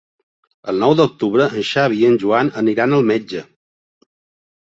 El nou d'octubre en Xavi i en Joan aniran al metge.